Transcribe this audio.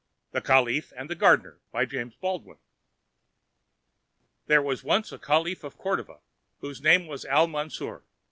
THE CALIPH AND THE GARDENER There was once a caliph of Cordova whose name was Al Mansour.